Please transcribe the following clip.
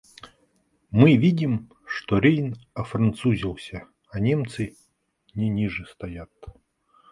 Мы видим, что Рейн офранцузился, а Немцы не ниже стоят!